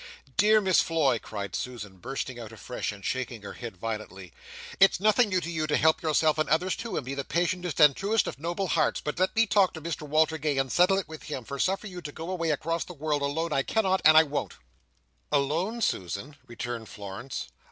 "Dear Miss Floy!" cried Susan, bursting out afresh, and shaking her head violently, "it's nothing new to you to help yourself and others too and be the patientest and truest of noble hearts, but let me talk to Mr Walter Gay and settle it with him, for suffer you to go away across the world alone I cannot, and I won't." "Alone, Susan?" returned Florence.